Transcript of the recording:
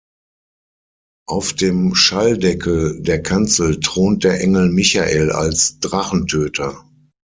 Auf dem Schalldeckel der Kanzel thront der Engel Michael als Drachentöter.